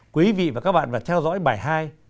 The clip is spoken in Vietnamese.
quý vị và các bạn vừa theo dõi bài hai